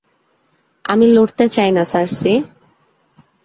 আমি লড়তে চাই না, সার্সি।